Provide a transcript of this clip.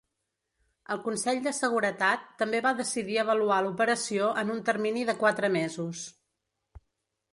El Consell de Seguretat també va decidir avaluar l'operació en un termini de quatre mesos.